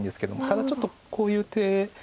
ただちょっとこういう手は。